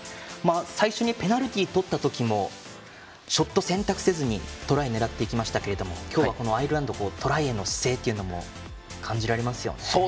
最初にペナルティをとった時もショット選択せずにトライを狙っていきましたけど今日はアイルランドトライへの姿勢というのも感じられますよね。